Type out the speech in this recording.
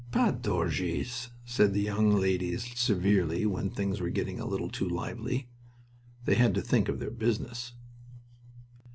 "Pas d'orgies," said the young ladies severely when things were getting a little too lively. They had to think of their business.